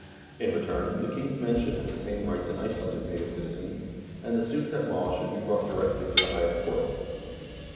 In return, the king's men should have the same rights in Iceland as native citizens, and the suits at law should be brought directly to the highest court.